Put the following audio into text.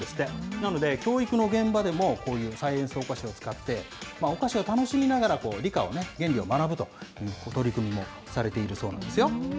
なので教育の現場でもこういうサイエンスお菓子を使って、お菓子を楽しみながら理科をね、原理を学ぶという取り組みもされているそうなんですよ。